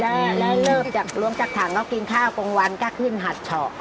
แล้วล้วงจักรถังเขากินข้าวปรงวันก็ขึ้นหัดฉอก